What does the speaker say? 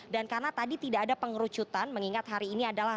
dan karena tadi tidak ada pengerucutan mengingat hari ini adalah